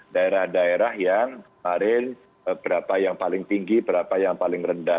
daerah daerah yang kemarin berapa yang paling tinggi berapa yang paling rendah